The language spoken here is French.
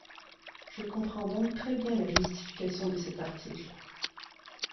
Je comprends donc très bien la justification de cet article.